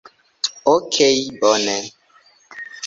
Okej' bone.